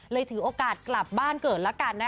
ถือโอกาสกลับบ้านเกิดแล้วกันนะคะ